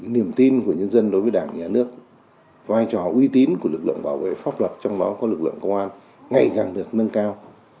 niềm tin của nhân dân đối với đảng nhà nước vai trò uy tín của lực lượng bảo vệ pháp luật trong đó có lực lượng công an ngày càng được nâng cao